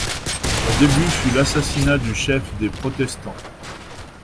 Son début fut l'assassinat du chef des protestants.